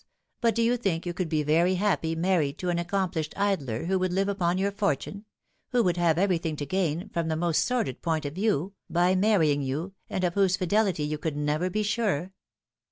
But do you think you could be very happy mar ried to an accomplished idler who would live upon your fortune who would have everything to gain, from the most sordid point of view, by marrying you, and of whose fidelity you could never be sure